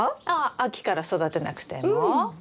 ああ秋から育てなくても？